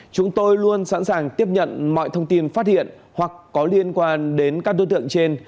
chúng tôi luôn sẵn sàng tiếp nhận mọi thông tin phát hiện hoặc có liên quan đến các đối tượng trên